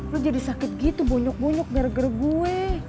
lo jadi sakit gitu bonyok bonyok gara gara gue